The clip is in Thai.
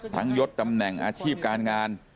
ยดตำแหน่งอาชีพการงาน